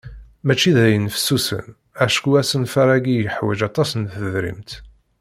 Mačči d ayen fessusen acku asenfar-agi yeḥwaǧ aṭas n tedrimt.